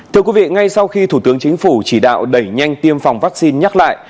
thưa quý vị ngay sau khi thủ tướng chính phủ chỉ đạo đẩy nhanh tiêm phòng vaccine nhắc lại